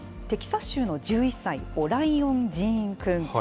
テキサス州の１１歳、オライオン・ジーン君。